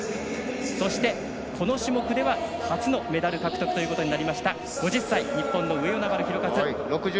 そして、この種目では初のメダル獲得ということになりました５０歳、日本の上与那原寛和。